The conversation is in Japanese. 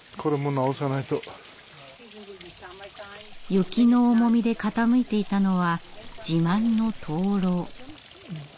雪の重みで傾いていたのは自慢の灯籠。